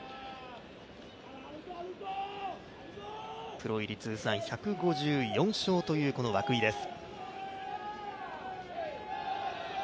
プロ入り通算１５４勝という涌井です